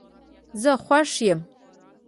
زه خوښ یم